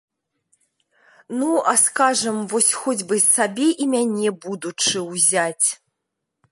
Ну, а, скажам, вось хоць бы сабе і мяне, будучы, узяць.